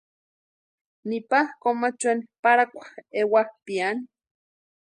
Nipa Comachueni parhakwa ewapʼiani.